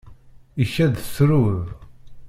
Ikad-d truḍ.